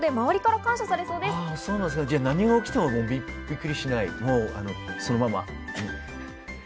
じゃあ、何が起きてもびっくりしない。